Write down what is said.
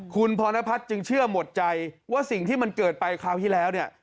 คุณพรณพัฒน์จึงเชื่อหมดใจว่าสิ่งที่มันเกิดไปคราวที่แล้วเนี่ย